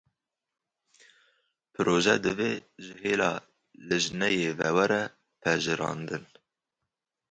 Piroje divê ji hêla lijneyê ve were pejirandin